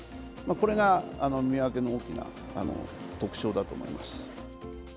これが見分けの大きな特徴だと思います。